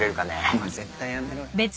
お前絶対やめろよ。